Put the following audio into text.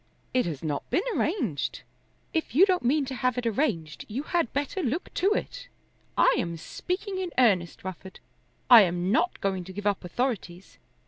"It has not been arranged." "If you don't mean to have it arranged, you had better look to it. I am speaking in earnest, Rufford. I am not going to give up authorities.